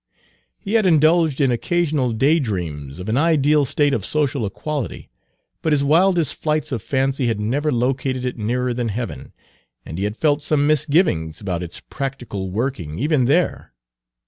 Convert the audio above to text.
He had indulged in occasional day dreams of an ideal state of social equality, but his wildest flights of fancy had never located it nearer than heaven, and he had felt some misgivings about its practical working even there.